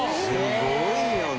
すごいよね。